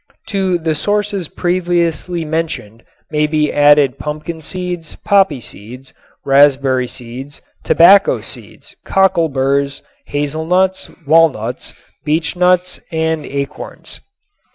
To the sources previously mentioned may be added pumpkin seeds, poppy seeds, raspberry seeds, tobacco seeds, cockleburs, hazelnuts, walnuts, beechnuts and acorns.